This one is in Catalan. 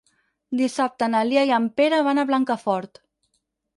Dissabte na Lia i en Pere van a Blancafort.